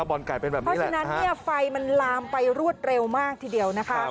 บ่อนไก่เป็นแบบนี้แหละครับครับครับเพราะฉะนั้นนี่ไฟมันลามไปรวดเร็วมากทีเดียวนะคะ